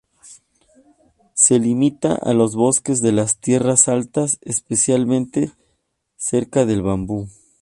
Se limita a los bosques de las tierras altas, especialmente cerca del bambú.